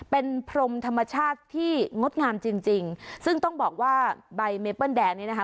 เป็นพรมธรรมชาติที่งดงามจริงจริงซึ่งต้องบอกว่าใบเมเปิ้ลแดงนี้นะคะ